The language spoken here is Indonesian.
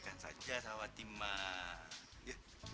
gak usah kak